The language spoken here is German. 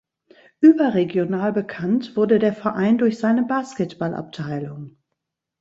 Überregional bekannt wurde der Verein durch seine Basketballabteilung.